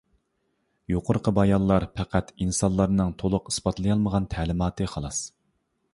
يۇقىرىقى بايانلار پەقەت ئىنسانلارنىڭ تولۇق ئىسپاتلىيالمىغان تەلىماتى خالاس.